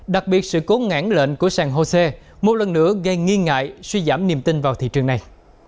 đặc biệt sự cố ngãn của sàn hồ sê một lần nữa gây nghi ngại suy giảm niềm tin vào thị trường này